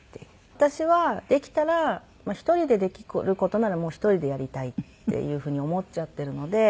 私はできたら１人でできる事ならもう１人でやりたいっていうふうに思っちゃっているので。